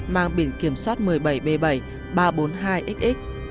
mang biển kiểm soát một mươi bảy b bảy ba trăm bốn mươi hai xx